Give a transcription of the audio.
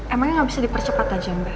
emangnya nggak bisa dipercepat aja mbak